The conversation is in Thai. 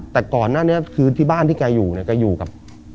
แต่ก่อนหน้านี้คือที่บ้านที่แกอยู่เนี่ยแกอยู่กับ